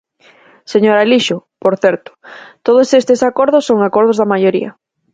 Señor Alixo, por certo, todos estes acordos son acordos da maioría.